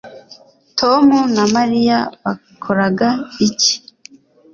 Tom na Mariya bakoraga iki